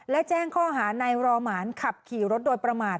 และแจ้งข้อหานายรอหมานขับขี่รถโดยประมาท